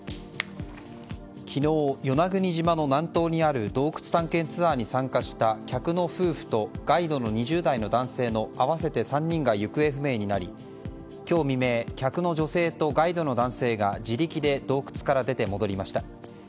昨日、与那国島の南東にある洞窟探検ツアーに参加した客の夫婦とガイドの２０代の男性の合わせて３人が行方不明になり今日未明客の女性とガイドの男性が自力で洞窟から出て戻りました。